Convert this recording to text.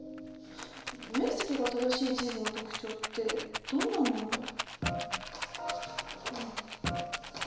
面積が正しい地図の特徴ってどんなんなんだろ。